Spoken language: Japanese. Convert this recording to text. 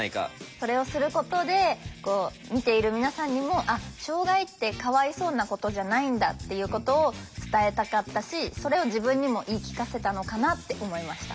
それをすることでこう見ている皆さんにもあっ障害ってかわいそうなことじゃないんだっていうことを伝えたかったしそれを自分にも言い聞かせたのかなって思いました。